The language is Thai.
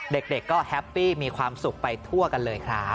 เด็กก็แฮปปี้มีความสุขไปทั่วกันเลยครับ